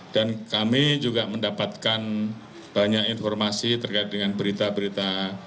dan kami juga mendapatkan banyak informasi terkait dengan berita berita